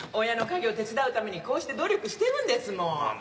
親の家業手伝うためにこうして努力してるんですもん。